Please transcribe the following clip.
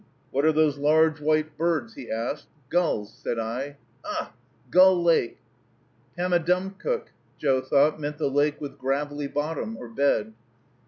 "What are those large white birds?" he asked. "Gulls," said I. "Ugh! Gull Lake." Pammadumcook, Joe thought, meant the Lake with Gravelly Bottom or Bed.